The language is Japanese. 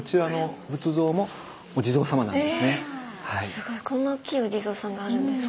⁉すごいこんな大きいお地蔵さんがあるんですか。